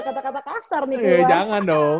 kata kata kasar nih jangan dong